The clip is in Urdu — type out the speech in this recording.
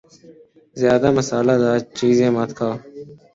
زیادہ مصالہ دار چیزیں مت کھاؤ